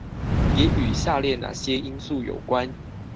也與下列那些因素有關？